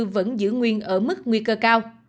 vẫn giữ nguyên ở mức nguy cơ cao